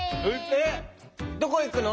えっどこいくの？